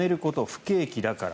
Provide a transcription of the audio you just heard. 不景気だから。